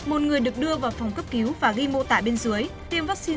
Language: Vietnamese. một người được đưa vào phòng cấp cứu và ghi mô tả bên dưới